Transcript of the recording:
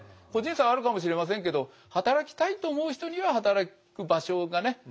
個人差はあるかもしれませんけど働きたいと思う人には働く場所がね